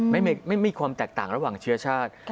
ไม่มีความแตกต่างระหว่างเชื้อชาติ